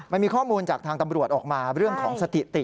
มันมีข้อมูลจากทางตำรวจออกมาเรื่องของสถิติ